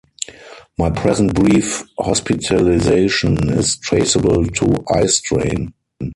My present brief hospitalization is traceable to eyestrain.